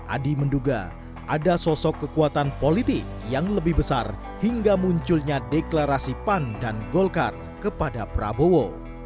adi menduga ada sosok kekuatan politik yang lebih besar hingga munculnya deklarasi pan dan golkar kepada prabowo